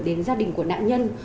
đến gia đình của nạn nhân